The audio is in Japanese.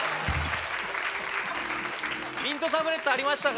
ミントタブレットありましたか？